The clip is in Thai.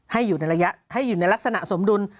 ให้อยู่ในลักษณะสมดุล